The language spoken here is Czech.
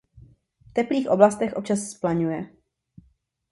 V teplých oblastech občas zplaňuje.